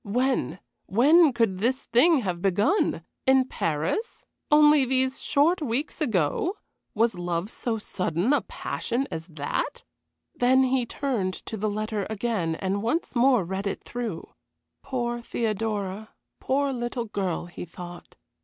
When when could this thing have begun? In Paris? Only these short weeks ago was love so sudden a passion as that? Then he turned to the letter again and once more read it through. Poor Theodora, poor little girl, he thought.